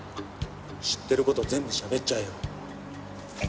知ってる事全部しゃべっちゃえよ。